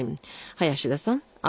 林田さんは？